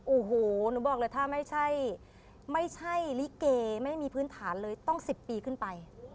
โอ้โหหนูบอกเลยถ้าไม่ใช่ลิเกไม่มีพื้นฐานเลยต้อง๑๐ปีขึ้นไป